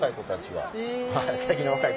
はい。